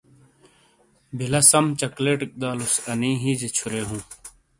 بلہ سم چاکلیٹیک دالوس آنئ ہئ جا چھورے ہوں۔